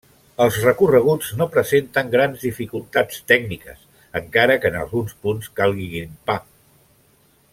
Els recorreguts no presenten grans dificultats tècniques, encara que en alguns punts calgui grimpar.